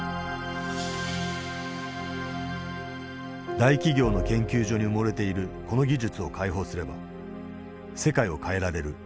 大企業の研究所に埋もれているこの技術を開放すれば世界を変えられる。